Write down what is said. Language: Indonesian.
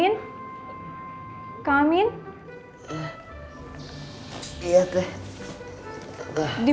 kenapa pacarnya fighting patricia